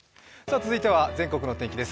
続いては全国の天気です。